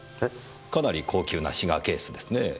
かなり高級なシガーケースですねぇ。